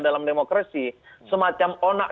dalam demokrasi semacam onak